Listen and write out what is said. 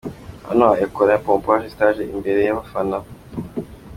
Hano yakoraga pompaje kuri stage imbere y'abafana.